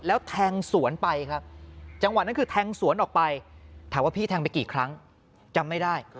แล้วแทงสวนไปครับจังหวะนั้นคือแทงสวนออกไปถามว่าพี่แทงไปกี่ครั้งจำไม่ได้